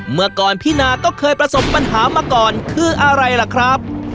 เมื่อก่อนพี่นาก็เคยประสบปัญหามาก่อนคืออะไรล่ะครับ